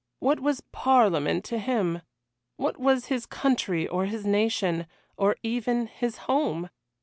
What was Parliament to him? What was his country or his nation? or even his home?